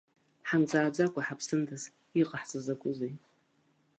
Ҳамҵааӡакәа ҳаԥсындаз, иҟаҳҵа закәызеи?!